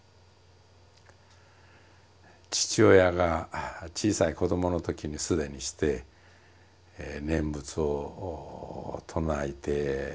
父親が小さい子どものときに既にして念仏を唱えていたわけでした。